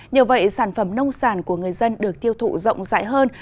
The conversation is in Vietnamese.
nhờ vậy sản phẩm nông sản của người dân được tiêu thụ rộng rãi hơn